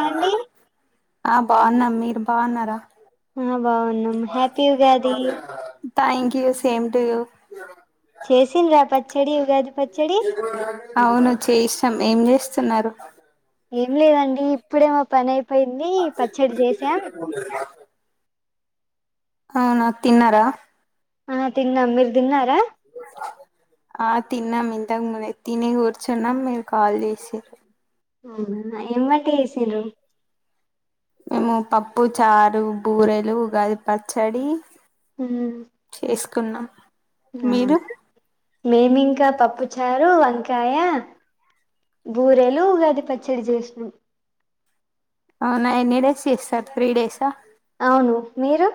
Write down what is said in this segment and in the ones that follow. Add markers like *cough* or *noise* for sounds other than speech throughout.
ఆ అండి ఆ బాగున్నా మీరు బాగున్నారా ఆ బాగున్నాం happy Ugadi thank you same to you చేసిండ్ర పచ్చడి ఉగాది పచ్చడి అవును చేసినం ఏం చేస్తున్నారు ఏం లేదండి ఇప్పుడే మా పని అయిపోయింది పచ్చడి జేసాం అవున తిన్నారా ఆ తిన్నాం మీరు తిన్నారా ఆ తిన్నాం ఇంతకు ముందే తిని కుర్చున్నం మీరు కాల్ చేసిర్రు అవునా ఎం వంట చేసిర్రు మేము పప్పు చారు బూరెలు ఉగాది పచ్చడి మ్మ్ కున్నం అ మేమింకా పప్పు చారు వంకాయ బూరేలు ఉగాది పచ్చడి చేష్ణం అవునా ఎన్ని డేస్ చేస్తారు త్రీ డేసా ఆవును మీరు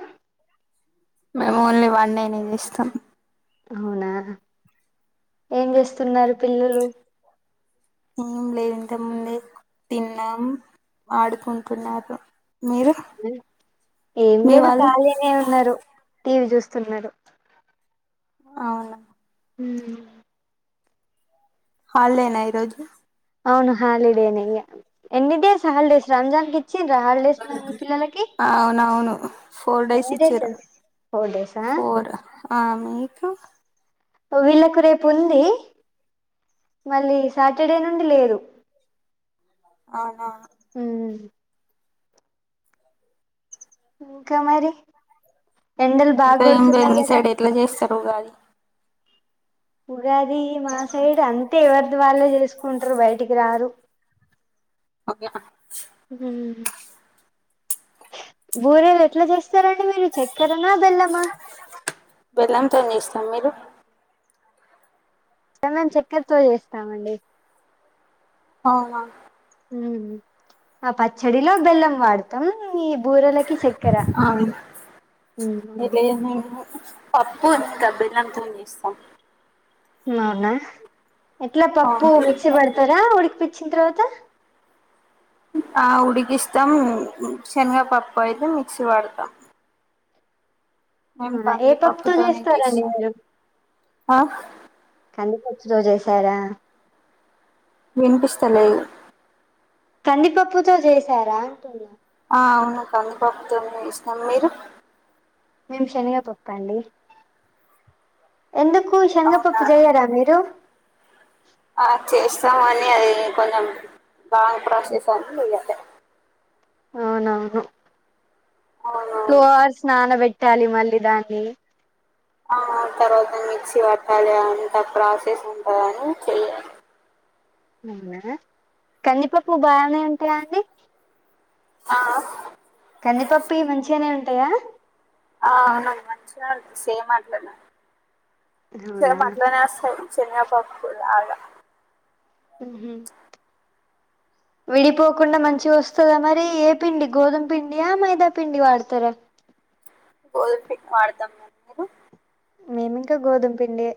మేమ్ ఓన్లీ వన్ డేనే చేస్తాం అవునా ఏం చేస్తున్నారు పిల్లలు ఏం లేద్ ఇంత ముందే తిన్నాం ఆడుకుంటున్నారు మీరు ఏం మీ లేదు వాళ్ళు ఖాళీనే ఉన్నారు టీవీ చుస్తున్నారు అవునా మ్మ్ హాలిడేనా ఈరోజు అవును హాలిడేనే ఇగ ఎన్ని డేస్ హాల్డేస్ రంజాన్ కి ఇచ్చిండ్రా హాలిడేస్ మరి మీ పిల్లలకి అవునవును ఫోర్ డేస్ ఇచ్చిర్రు ఫోర్ డేసా ఫోర్ ఆ మీకు వీళ్లకు రేపుంది మళ్ళీ సాటర్డే నుండి లేదు అవునా ఉమ్ ఇంక మరి ఎండలు ఇంకా ఏం లేదు బాగోడుతున్నాయ్ మీ కద సైడ్ ఎట్లా చేస్తారు ఉగాది ఉగాది మా సైడ్ అంతే ఎవర్ది వాళ్ళే చేస్కుంటరు బయటికి రారు ఓకేనా మ్మ్ బురేలు ఎట్లా చేస్తారం డి మీరు చెక్కెరణ బెల్లమా బెల్లంతోని చేస్తాం మీరు మీమ్ చేక్కెర్తో చేస్తామండి అవునా మ్మ్ ఆ పచ్చడిలో బెల్లం వాడుతాం ఇ బూరెలకి చేక్కెర అవును మ్ అవును ఎట్లా చేస్తాం మేము పప్పు ఇంకా బెల్లంతోని చేస్తాం మ్ అవునా ఎట్లా పప్పు అవును మిక్సీ పడుతర ఉడికిపిచ్చిన తర్వాత ఆ ఉడికిస్తాం శెనగ పప్పు ఆయితే మిక్సీ పడుతాం అవునా ఏ పప్పుతో కందిపప్పుతోనే చేస్తారండి చేస్తాం మీరు ఆ కందిపప్ త్ చేశారా వినిపిస్తలేదు కందిపప్పుతో జేసారా అంటున్నా ఆ అవును కంది పప్పుతోనే ఎసినం మీరు మేము శనిగపప్పండి ఎందుకు అవునా శనిగపప్పు జేయ్యరా మీరు ఆ చేస్తాము అని అది కొంచం బాగ ప్రాసెస్ అని ఇయ్యాలే అవునవును టూ అవునవును అవర్స్ నాన పెట్టాలి మళ్ళీ దాన్ని ఆ తర్వాత మిక్సీ పట్టాలి అంత ప్రాసెస్ ఉంటందని చెయ్యలె అవునా కందిపప్పు బాగనే ఉంటాయా అండి ఆ కందిపప్పుయి మంచిగానే ఉంటయా ఆ అవునండి మంచిగనే సేమ్ అట్లనే అవునా సేమ్ అట్లనే అస్తయి చెనగపప్పు లాగ ఉ హు విడిపోకుండా మంచిగొస్తదా మరి ఏ పిండి గోధుమ పిండీ ఆ మైద పిండి వాడతరా గోధుమ పిండి వాడతము మీరు మేమింకా గోధుమ్ పిండే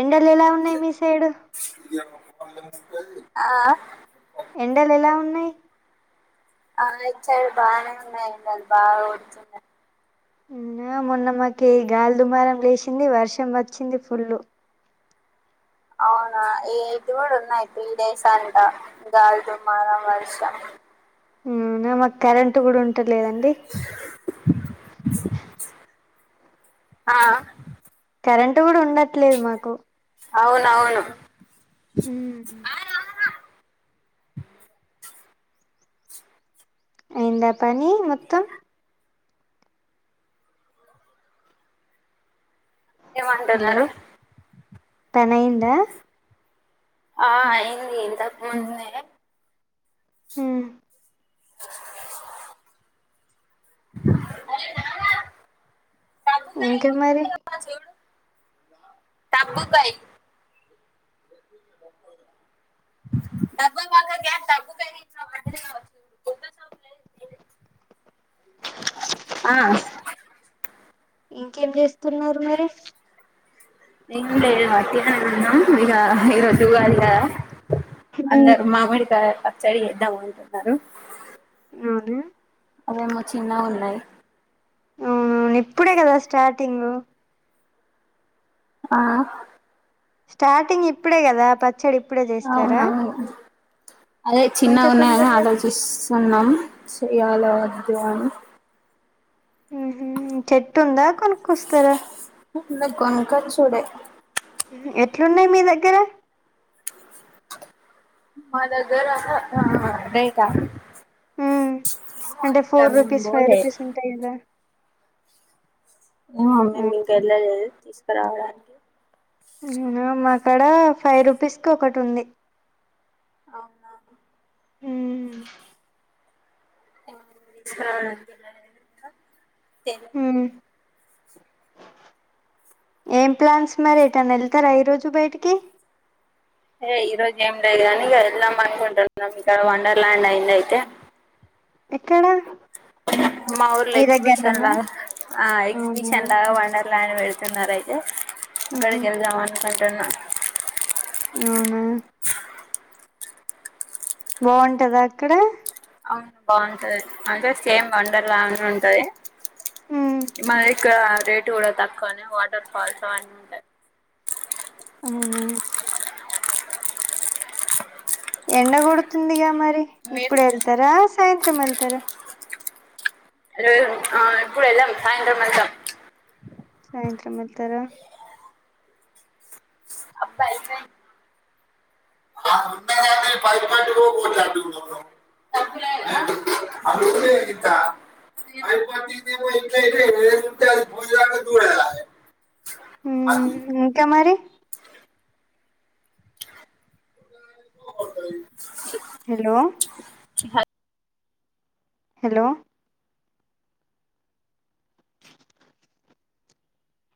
ఎండలెలా ఉన్నాయ్ మీ సైడు ఆ ఎండలెలా ఉన్నయ్ ఆ ఇట్ సైడ్ బానే ఉన్నయి ఎండలు బాగా కొడుతున్నాయ్ నిన్నా మొన్నమాకి గాలి దుమారం లేచింది వర్షం వచ్చింది ఫుల్లు అ అవునా ఇటు కూడా ఉన్నాయి త్రీ డేస్ అంటా గాలి దమారం వర్షం అవునా మాకు కరెంట్ కూడా ఉంటలేదండి ఆ కరెంటు కూడా ఉండట్లేదు మాకు అవునవును ఊమ్ అయిందా పని మొత్తం ఏమంటున్నారు పనైందా ఆ అయింది ఇంతక ముందే ఉమ్ ఇంకేం మరి తబ్బుకాయ్ పక్కకి డబ్బుకాయ్ ఇట్లా పడ్డది కావచ్చు ఆ ఇంకేం చేస్తున్నరు మరి ఇంగేమా తినన్నా ఇగ ఈరోజు ఉగాది కద ఉమ్ అందరు మామిడికాయ పచ్చడి చేద్దామంటున్నరు అవున అవేమో చిన్నగున్నయ్ ఆ ఇప్పుడే గదా స్టార్టింగ్ ఆ స్టార్టింగ్ ఇప్పుడే కదా పచ్చడిప్పుడే చేస్తారా అవునవును అదే చిన్నగా ఇంత ఉన్నాయని తొందరగా ఆలోచిస్తున్నాం చేయాలవద్దు అని ఉ హు చెట్టు ఉందా కొనుక్కొస్తారా ఇంగ కొనుక్కొచ్చు డే ఎట్లున్నాయ్ మీ దగ్గర మా దగ్గర రేట్ ఆ ఉమ్ అంటే ఫోర్ రూపీస్ ఫై పోలే రూపీస్ ఉంటాయి గద ఆహ్ మీమ్మ్ ఇంక ఎళ్లలేదు తీసుకరావడానికి *unintelligible* మ కాడ ఫైవ్ రూపీస్కికటి ఉంది అవునా ఉహ్మ్మ్ సారే ఉమ్ ఏం ప్లాన్స్ మరి ఇటైనా ఎళ్తారా ఈరోజు బైటికి హే ఈరోజు ఏం లేదు గాని వెళ్దామనుకుంటున్న వండర్ ల్యాండ్ అయిందయితే ఎక్కడా మా ఊర్ల ఎక్సిబిషన్ లాగా అ అవునా ఎక్సిబిషన్ లాగా వండర్లా ల్యాండ్ వెడ్ తున్నారయితే ఇక్కడికి ఉహు వెళ్దాం అనుకుంటున్నా అవునా బావుంటద అక్కడ అవును బావుంటది అంటే సేమ్ వండర్ లానే ఉంటాది ఉమ్ మాది ఇక్కడ రేటు కూడా తక్కువనే వాటర్ ఫాల్స్ అవన్నీ ఉంటాయి అవునా ఎండ గొడుతుందిగా మరి మీరు ఇప్పుడు ఎల్తారా సాయంత్రం ఎళ్తారా లేదు ఆ ఇప్పుడు ఏళ్ళం సాయంత్రం ఎల్తామ్ సాయంత్రం ఏళ్తారా అబ్బాయిపోయింది ఆహ్ ఉనెయ్ కని పైపు కట్ *unintelligible* ఫ్ చేయాలి మ్ అ ఇంకా మరీ హలో హలో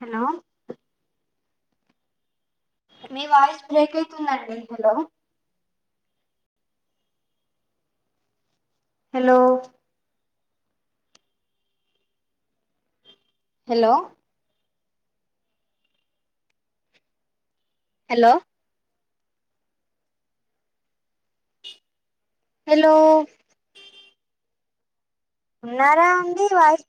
హలో మీ వాయిస్ బ్రేక్ అయితుందండి hello hello hello hello hello ఉన్నారా అండి వాయస్